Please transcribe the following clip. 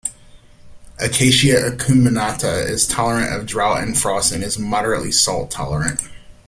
"Acacia acuminata" is tolerant of drought and frosts and is moderately salt tolerant.